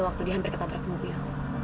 waktu dia hampir ketabrak mobil